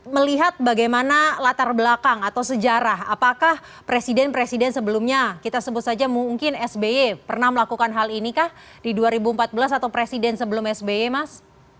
melihat bagaimana latar belakang atau sejarah apakah presiden presiden sebelumnya kita sebut saja mungkin sby pernah melakukan hal ini kah di dua ribu empat belas atau presiden sebelum sby mas